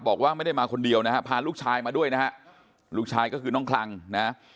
บอกว่าไม่ได้มาคนเดียวนะฮะพาลูกชายมาด้วยนะฮะลูกชายก็คือน้องคลังนะ